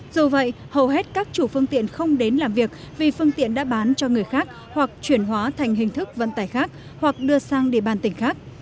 dù vậy hầu hết các chủ phương tiện không đến làm việc vì phương tiện đã bán cho người khác hoặc chuyển hóa thành hình thức vận tải khác hoặc đưa sang địa bàn tỉnh khác